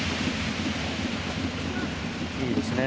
いいですね。